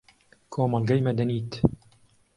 کۆمەڵگەی مەدەنیت